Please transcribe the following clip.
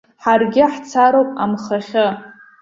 Ҳаргьы ҳцароуп амхахьы.